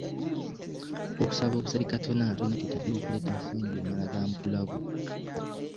Okusaba obusabi Katonda nga tolina ky'otaddewo kuleeta nsimbi omala ga mu bulago